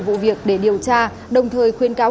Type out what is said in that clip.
vụ việc để điều tra đồng thời khuyên cáo